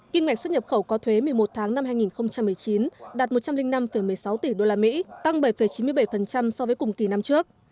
kinh ngạch xuất nhập khẩu có thuế một mươi một tháng năm hai nghìn một mươi chín đạt một trăm linh năm một mươi sáu tỷ usd tăng bảy chín mươi bảy so với cùng kỳ năm trước